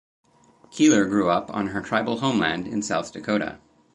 Keeler grew up on her tribal homeland in South Dakota.